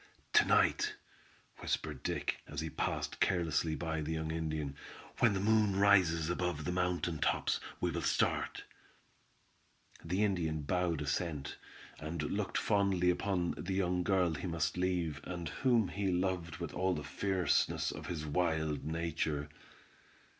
"To night," whispered Dick, as he passed carelessly by the young Indian, "when the moon rises above the mountain tops, we will start." The Indian bowed assent, and looked fondly upon the young girl he must leave, and whom he loved with all the fierceness of his wild nature.